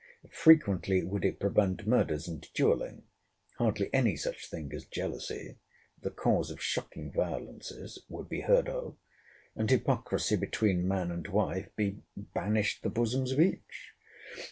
Frequently would it prevent murders and duelling; hardly any such thing as jealousy (the cause of shocking violences) would be heard of: and hypocrisy between man and wife be banished the bosoms of each.